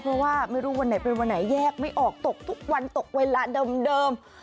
เพราะว่าไม่รู้วันไหนเป็นวันไหนแยกไม่ออกตกทุกวันตกเวลาเดิม